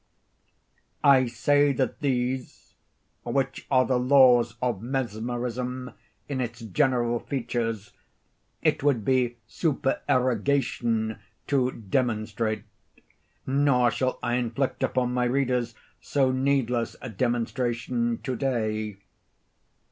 I say that these—which are the laws of mesmerism in its general features—it would be supererogation to demonstrate; nor shall I inflict upon my readers so needless a demonstration; to day.